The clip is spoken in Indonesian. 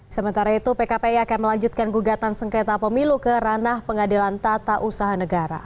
sementara itu pkpi akan melanjutkan gugatan sengketa pemilu ke ranah pengadilan tata usaha negara